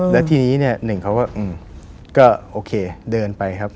และทีนี้หนึ่งเขาก็โอเคเดินไปครับ